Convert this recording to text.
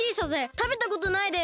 たべたことないです！